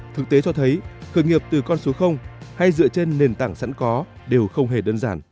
thực tế cho thấy khởi nghiệp từ con số hay dựa trên nền tảng sẵn có đều không hề đơn giản